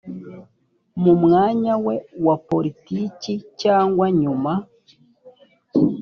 mu mwanya we wa politiki cyangwa nyuma